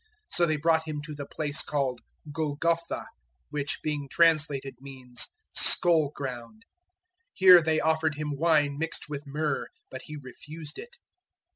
015:022 So they brought Him to the place called Golgotha, which, being translated, means 'Skull ground.' 015:023 Here they offered Him wine mixed with myrrh; but He refused it.